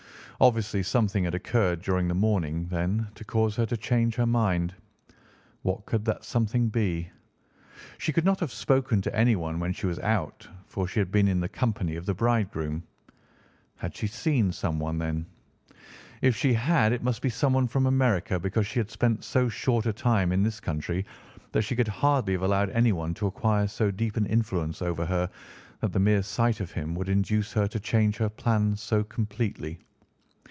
Obviously something had occurred during the morning, then, to cause her to change her mind. What could that something be? She could not have spoken to anyone when she was out, for she had been in the company of the bridegroom. Had she seen someone, then? If she had, it must be someone from America because she had spent so short a time in this country that she could hardly have allowed anyone to acquire so deep an influence over her that the mere sight of him would induce her to change her plans so completely.